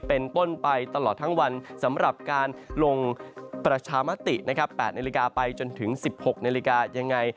เป็นต้นไปตลอดทั้งวันสำหรับการลงประชามตินะครับ๘นาฬิกาไปจนถึง๑๖นาฬิกายังไง